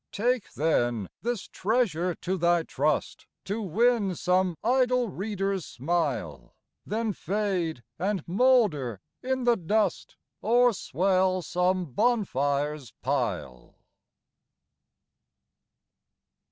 Take, then, this treasure to thy trust, To win some idle reader's smile, Then fade and moulder in the dust, Or swell some bonfire's pile.